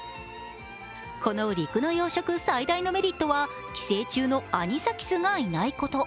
この陸の養殖最大のメリットは寄生虫のアニサキスがいないこと。